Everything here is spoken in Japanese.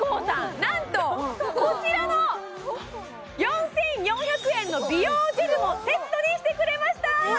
なんとこちらの４４００円の美容ジェルもセットにしてくれました